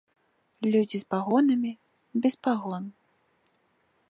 Людзі з пагонамі, без пагон.